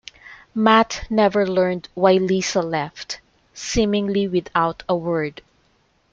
Matt never learned why Lisa left, seemingly without a word.